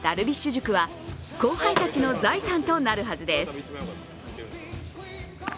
塾は後輩たちの財産となるはずです。